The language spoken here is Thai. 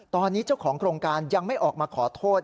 ตอนนี้เจ้าของโครงการยังไม่ออกมาขอโทษ